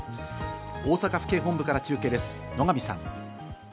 大阪府警本部から中継です、野神さん。